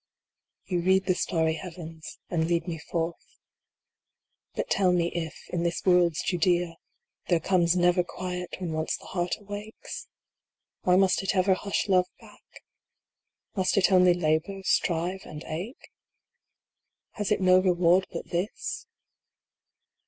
You read the starry heavens, and lead me forth. But tell me if, in this world s Judea, there comes never quiet when once the heart awakes ? Why must it ever hush Love back ? Must it only labor, strive, and ache ? Has it no reward but this